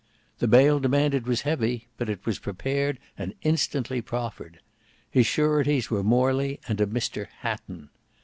The bail demanded was heavy; but it was prepared and instantly proffered. His sureties were Morley and a Mr Hatton.